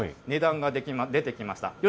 値段が出てきました。